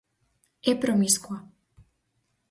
É promiscua.